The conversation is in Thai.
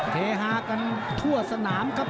เฮฮากันทั่วสนามครับ